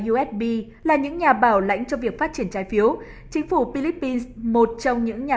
usb là những nhà bảo lãnh cho việc phát triển trái phiếu chính phủ philippines một trong những nhà